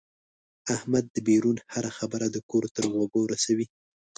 احمد دبیرون هره خبره د کور تر غوږه رسوي.